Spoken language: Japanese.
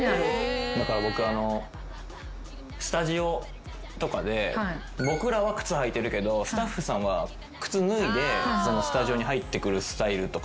だからスタジオとかで僕らは靴履いてるけどスタッフさんは靴脱いでスタジオに入ってくるスタイルとかってあるじゃん。